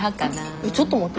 えっちょっと待って。